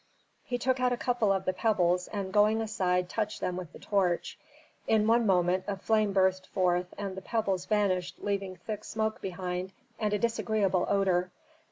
He took out a couple of the pebbles and going aside touched them with the torch. In one moment a flame burst forth and the pebbles vanished leaving thick smoke behind and a disagreeable odor.